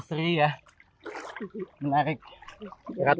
saya sedang mencoba membantu ibu asri